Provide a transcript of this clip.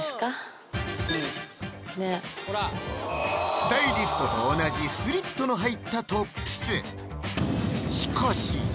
スタイリストと同じスリットの入ったトップスしかし？